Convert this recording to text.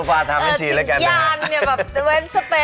โซฟาทำให้จริงแล้วกันนะครับ